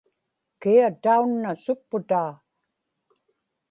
kia taunna supputaa?